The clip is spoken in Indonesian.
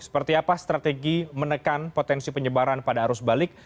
seperti apa strategi menekan potensi penyebaran pada arus balik